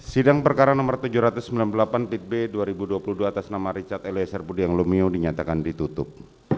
sidang perkara nomor tujuh ratus sembilan puluh delapan titbe dua ribu dua puluh dua atas nama richard elie serbudian lumio dinyatakan ditutup